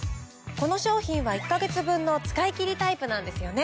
この商品は１ヵ月分の使い切りタイプなんですよね？